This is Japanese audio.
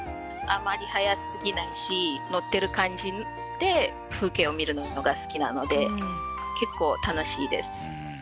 あまり速すぎないし乗ってる感じで風景を見るのが好きなので結構楽しいです。